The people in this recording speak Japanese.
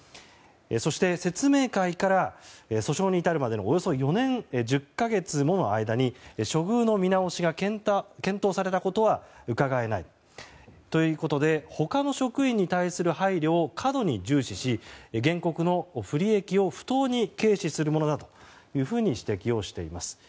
そして説明会から訴訟に至るまでのおよそ４年１０か月物間に処遇の見直しが検討されたことはうかがえないということで他の職員に対する配慮を過度に重視し、原告の不利益を不当に軽視するものだと指摘しています。